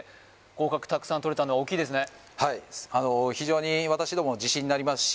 合格たくさんとれたのは大きいですね